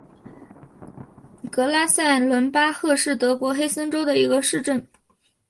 格拉塞伦巴赫是德国黑森州的一个市镇。